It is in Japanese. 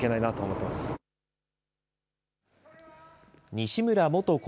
西村元厚